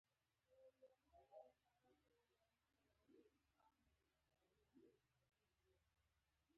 توریالی سږ کال له خپلې بزگرۍ خوښ دی.